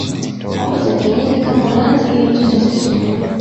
pombe za kienyeji kama ulanzi ili mtoto asisumbue